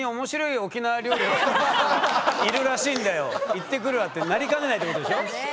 「行ってくるわ」ってなりかねないってことでしょ。